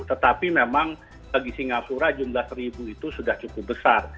tetapi memang bagi singapura jumlah seribu itu sudah cukup besar